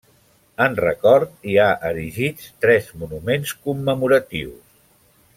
En record hi ha erigits tres monuments commemoratius.